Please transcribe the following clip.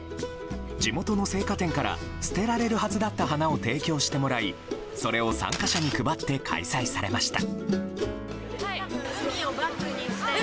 地元の生花店から捨てられるはずだった花を提供してもらいそれを参加者に配って開催されました。